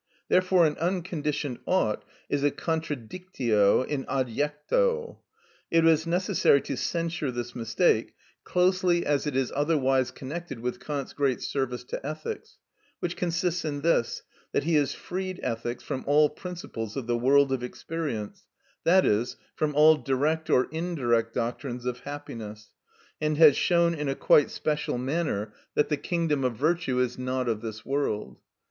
Therefore an unconditioned ought is a contradictio in adjecto. It was necessary to censure this mistake, closely as it is otherwise connected with Kant's great service to ethics, which consists in this, that he has freed ethics from all principles of the world of experience, that is, from all direct or indirect doctrines of happiness, and has shown in a quite special manner that the kingdom of virtue is not of this world.